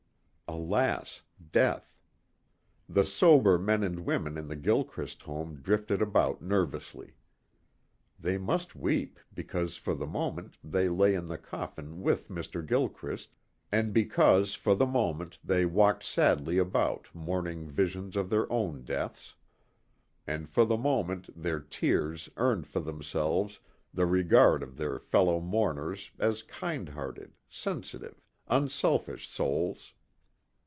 Alas, death. The sober men and women in the Gilchrist home drifted about nervously. They must weep because for the moment they lay in the coffin with Mr. Gilchrist and because for the moment they walked sadly about mourning visions of their own deaths. And for the moment their tears earned for themselves the regard of their fellow mourners as kind hearted, sensitive, unselfish souls.